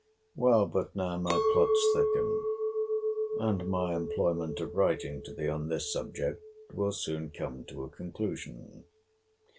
Well, but now my plots thicken; and my employment of writing to thee on this subject will soon come to a conclusion.